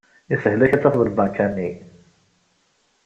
Ishel-ak ad d-tafeḍ lbanka-nni.